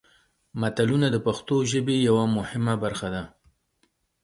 متلونه د پښتو ژبې یوه مهمه برخه ده